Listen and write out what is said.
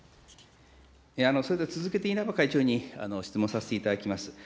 それでは、続けて稲葉会長に質問させていただきます。